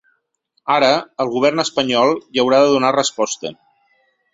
Ara, el govern espanyol hi haurà de donar resposta.